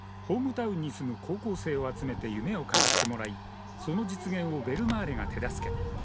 ホームタウンに住む高校生を集めて夢を語ってもらいその実現をベルマーレが手助け。